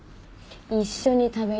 一緒に食べよ。